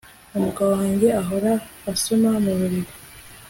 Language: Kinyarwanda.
Umugabo wanjye ahora asoma muburiri